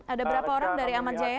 ada berapa orang dari ahmad jaya